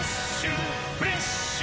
フレッシュ！